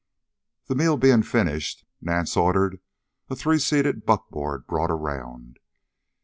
The meal being finished, Nance ordered a three seated buckboard brought around.